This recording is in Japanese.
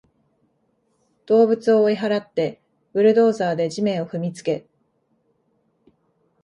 動物を追い払って、ブルドーザーで地面を踏みつけ